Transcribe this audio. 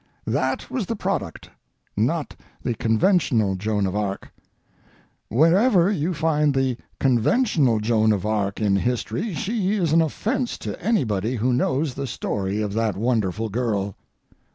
That was the product—not the conventional Joan of Arc. Wherever you find the conventional Joan of Arc in history she is an offence to anybody who knows the story of that wonderful girl.